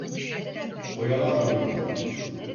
Oyalanmayın.